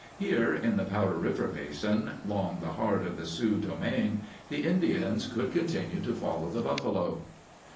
Here in the Powder River Basin, long the heart of the Sioux domain, the Indians could continue to follow the buffalo.